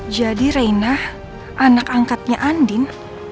jadi reina anak angkatnya andin